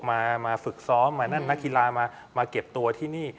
มาฝึกซ้อมมานั่นนักกีฬามาเก็บตัวที่นี่